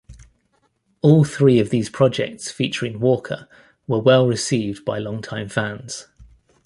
All three of these projects featuring Walker were well received by longtime fans.